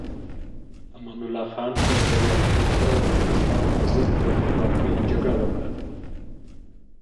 امان الله خان په بریالیتوب سره د انګلستان پر ضد د خپلواکۍ جګړه وکړه.